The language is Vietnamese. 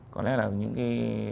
có lẽ là những cái